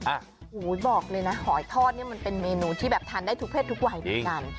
โอ้โหบอกเลยนะหอยทอดนี่มันเป็นเมนูที่แบบทานได้ทุกเพศทุกวัยเหมือนกัน